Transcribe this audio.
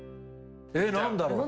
え何だろう？